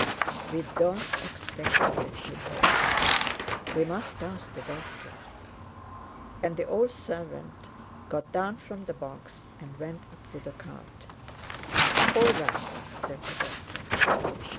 "We don't expect to get him home! We must ask the doctor." And the old servant got down from the box and went up to the cart. "All right!" said the doctor.